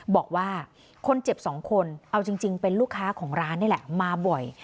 บอกว่าคนเจ็บสองคนเอาจริงเป็นลูกค้าของร้านนี่แหละมาบ่อย